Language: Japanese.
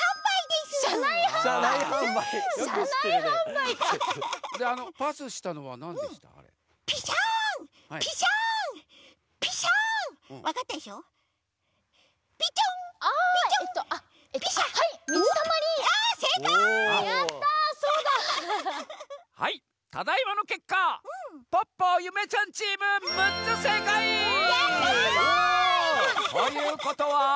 すごい！やった！ということは。